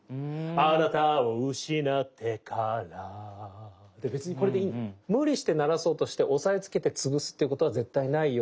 あなたをうしなってからで別にこれでいいの。無理して鳴らそうとして押さえつけて潰すっていうことは絶対ないように。